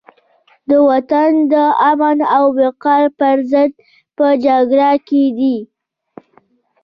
د وطن د امن او وقار پرضد په جګړه کې دي.